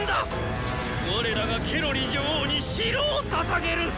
我らがケロリ女王に城をささげる！